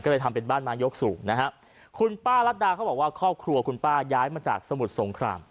ก็เลยทำเป็นบ้านไม้ยกสูงนะฮะคุณป้ารัดดาเขาบอกว่าครอบครัวคุณป้าย้ายมาจากสมุทรสงคราม